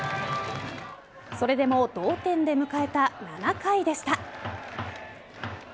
それでも同点で迎えた７回でした。